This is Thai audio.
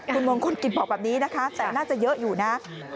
คุณมงคลกิจบอกแบบนี้นะคะแต่น่าจะเยอะอยู่นะ